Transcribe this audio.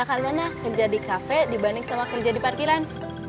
kapan mana kerja di kafe dibanding sama kerja di parkiran